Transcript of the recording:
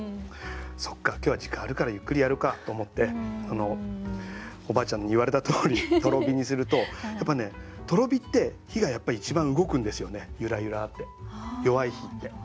「そっか今日は時間あるからゆっくりやるか」と思っておばあちゃんに言われたとおりとろ火にするとやっぱねゆらゆらって弱い火って。